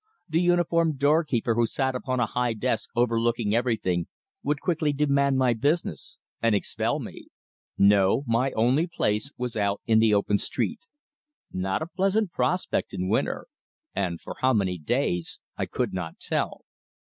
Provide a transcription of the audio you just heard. The uniformed doorkeeper who sat upon a high desk overlooking everything, would quickly demand my business, and expel me. No, my only place was out in the open street. Not a pleasant prospect in winter, and for how many days I could not tell.